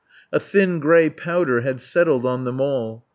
A thin grey powder had settled on them all.